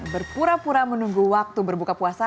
berpura pura menunggu waktu berbuka puasa